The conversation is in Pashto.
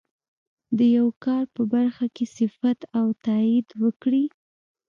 د یوه کار په برخه کې صفت او تایید وکړي.